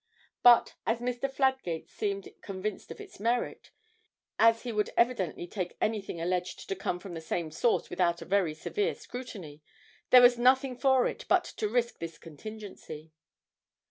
But, as Mr. Fladgate seemed convinced of its merit, as he would evidently take anything alleged to come from the same source without a very severe scrutiny, there was nothing for it but to risk this contingency.